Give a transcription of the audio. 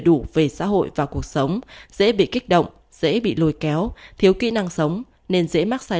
đủ về xã hội và cuộc sống dễ bị kích động dễ bị lôi kéo thiếu kỹ năng sống nên dễ mắc sản